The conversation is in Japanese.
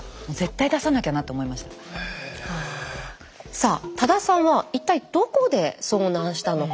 さあ多田さんは一体どこで遭難したのか。